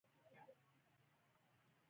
کله کله کوڅې ته درځم.